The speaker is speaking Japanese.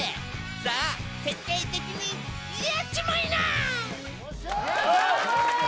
さあ、徹底的にやっちまいな。